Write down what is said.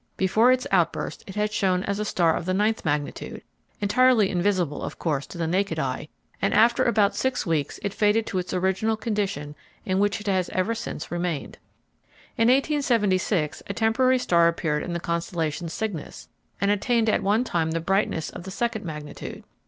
Before its outburst it had shown as a star of the ninth magnitude (entirely invisible, of course, to the naked eye), and after about six weeks it faded to its original condition in which it has ever since remained. In 1876 a temporary star appeared in the constellation Cygnus, and attained at one time the brightness of the second magnitude.